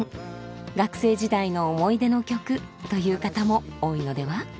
学生時代の思い出の曲という方も多いのでは。